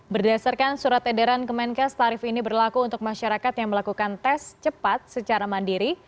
berdasarkan surat edaran kemenkes tarif ini berlaku untuk masyarakat yang melakukan tes cepat secara mandiri